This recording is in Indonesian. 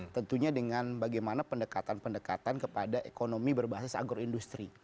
tentunya dengan bagaimana pendekatan pendekatan kepada ekonomi berbasis agroindustri